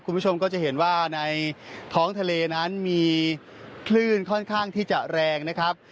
คุณผู้ชมก็จะเห็นว่าในท้องทะเลนั้นมีคลื่นค่อนข้างที่จะแรงนะครับ